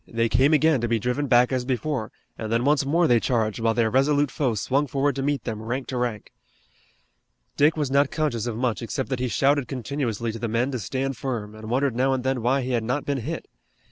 They came again to be driven back as before, and then once more they charged, while their resolute foe swung forward to meet them rank to rank. Dick was not conscious of much except that he shouted continuously to the men to stand firm, and wondered now and then why he had not been hit.